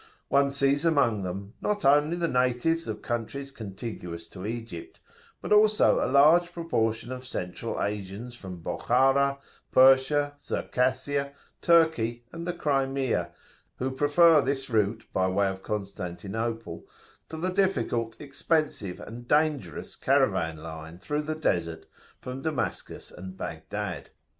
One sees among them, not only the natives of countries contiguous to Egypt, but also a large proportion of Central Asians from Bokhara, Persia, Circassia, Turkey, and the Crimea, who prefer this route by way of Constantinople to the difficult, expensive and dangerous caravan line through the Desert from Damascus and Baghdad.